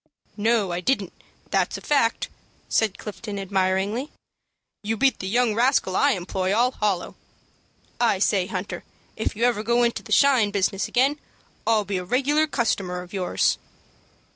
"No, I didn't, that's a fact," said Clifton, admiringly. "You beat the young rascal I employ all hollow. I say, Hunter, if you ever go into the 'shine' business again, I'll be a regular customer of yours."